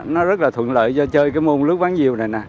nó rất là thuận lợi cho chơi môn lướt ván diều này